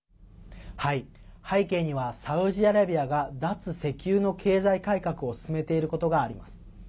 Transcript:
背景には、サウジアラビアが脱石油の経済改革を進めていることがあります。